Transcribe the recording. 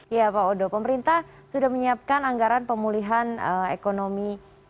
ya pak odo pemerintah sudah menyiapkan anggaran pemulihan ekonomi